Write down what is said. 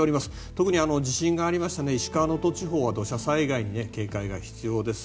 特に地震がありました石川・能登地方は土砂災害に警戒が必要です。